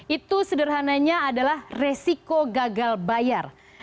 itu sederhananya adalah resiko gagal bayar